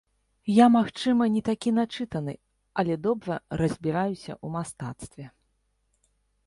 Я магчыма, не такі начытаны, але добра разбіраюся ў мастацтве.